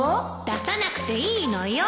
出さなくていいのよ